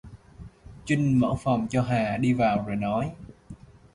Trinh mở phòng cho Hà đi vào rồi nói